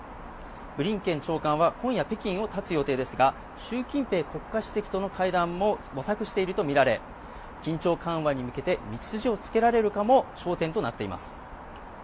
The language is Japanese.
ブリンケン長官は今夜北京を発つ予定ですが、習近平国家主席との会談も模索しているとみられ、緊張緩和に向けて道筋をつけられるかも焦点となっています。